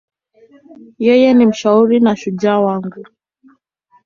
Yeye ni mshauri na shujaa wangu.